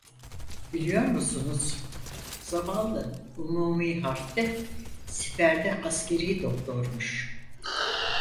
Bilmiyor musunuz? Zavallı, umumi harpte, siperde askeri doktormuş.